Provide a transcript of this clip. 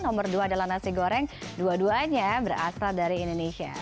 nomor dua adalah nasi goreng dua duanya berasal dari indonesia